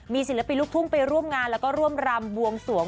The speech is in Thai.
ศิลปินลูกทุ่งไปร่วมงานแล้วก็ร่วมรำบวงสวง